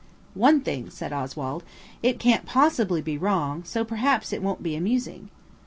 "One thing," said Oswald, "it can't possibly be wrong–so perhaps it won't be amusing."